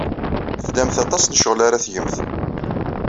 Tlamt aṭas n ccɣel ara tgemt.